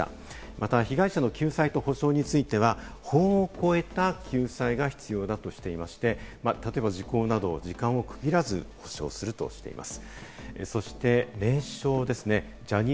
また被害者の救済と補償については法を超えた救済が必要だとしていまして、例えば、時効など時間を区切らず補償するとしています。